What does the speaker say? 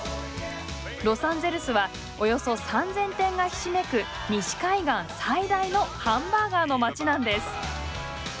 ロサンゼルスはおよそ３，０００店がひしめく西海岸最大のハンバーガーの街なんです。